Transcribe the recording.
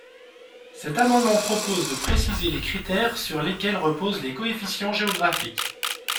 Cet amendement propose de préciser les critères sur lesquels reposent les coefficients géographiques.